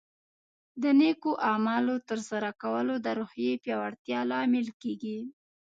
د نیکو اعمالو ترسره کول د روحیې پیاوړتیا لامل کیږي.